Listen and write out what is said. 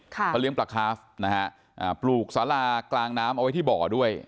เขาเลี้ยงปลาคาฟนะฮะปลูกสารากลางน้ำเอาไว้ที่บ่อด้วย